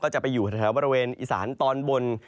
จะไปอยู่แถวบริเวณอีสานตอนบน